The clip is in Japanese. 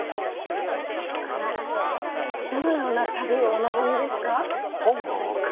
あのどのような旅をお望みですか？